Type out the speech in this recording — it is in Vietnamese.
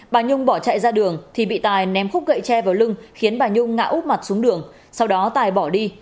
bà nhung bỏ chạy ra đường thì bị tài ném khúc gậy tre vào lưng khiến bà nhung ngã út mặt xuống đường sau đó tài bỏ đi